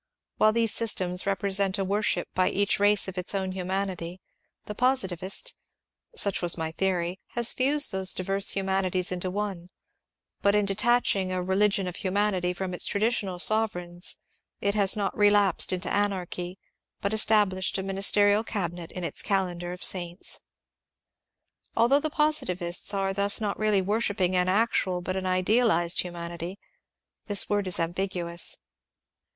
While these systems represent a worship by each race of its own humanity, the positivist — such was my theory — has fused those diverse humanities into one ; but in detaching a ^^ religion of Humanity " from its traditional sovereigns it has not relapsed into anarchy but established a ministerial cabinet in its calendar of saints. Although the positivists are thus not really worshipping an actual but an idealized humanity, this word is ambiguous.